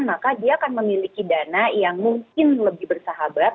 maka dia akan memiliki dana yang mungkin lebih bersahabat